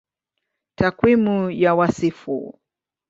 Takwimu ya Wasifu